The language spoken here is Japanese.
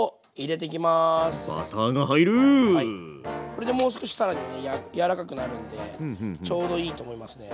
これでもう少し更に柔らかくなるんでちょうどいいと思いますね。